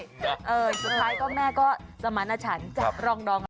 อย่างสุดท้ายก็แม่ชาติสมันนชันจะรองนอง